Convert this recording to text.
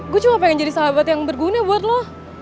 gue cuma pengen jadi sahabat yang berguna buat lo